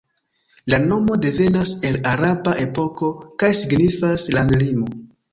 La nomo devenas el araba epoko kaj signifas "landlimo".